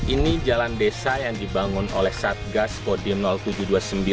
ini jalan desa yang dibangun oleh satgas podium